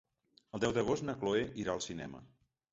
El deu d'agost na Cloè irà al cinema.